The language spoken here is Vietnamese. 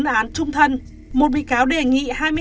bốn án trung thân một bị cáo đề nghị